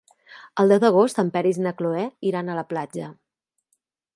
El deu d'agost en Peris i na Cloè iran a la platja.